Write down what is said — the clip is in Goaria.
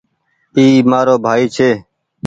اي مآرو ڀآئي ڇي